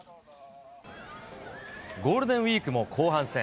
ゴールデンウィークも後半戦。